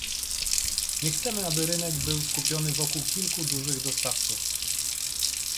Nie chcemy, aby rynek był skupiony wokół kilku dużych dostawców